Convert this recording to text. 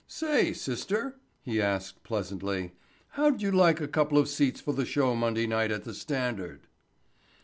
"Say, sister," he asked pleasantly, "how'd you like a couple of seats for the show Monday night at the Standard?"